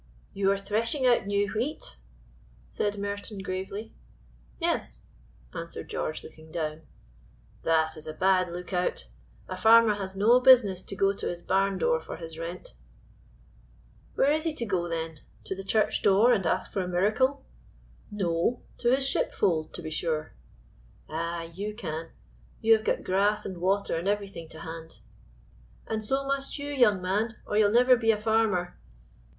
"You are threshing out new wheat?" said Merton, gravely. "Yes," answered George, looking down. "That is a bad lookout; a farmer has no business to go to his barn door for his rent." "Where is he to go, then? to the church door, and ask for a miracle?" "No; to his ship fold, to be sure." "Ay! you can; you have got grass and water and everything to hand." "And so must you, young man, or you'll never be a farmer.